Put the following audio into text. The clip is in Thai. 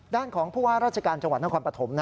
ด้านของผู้ว่าราชการจังหวัดท่านความประถม